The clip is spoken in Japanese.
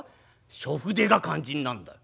初筆が肝心なんだよ。